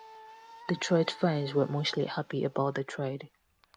Detroit fans were mostly happy about the trade.